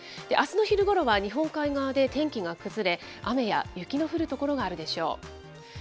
あすの昼ごろは日本海側で天気が崩れ、雨や雪の降る所があるでしょう。